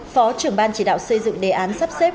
phó trưởng ban chỉ đạo xây dựng đề án sắp xếp